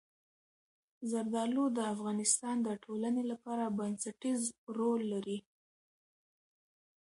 زردالو د افغانستان د ټولنې لپاره بنسټيز رول لري.